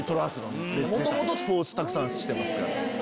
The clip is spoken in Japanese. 元々スポーツたくさんしてますから。